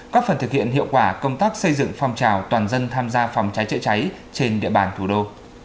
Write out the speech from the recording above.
các phần thực hiện hiệu quả công tác xây dựng phòng trào toàn dân tham gia phòng trái trợ cháy trên địa bàn thủ đô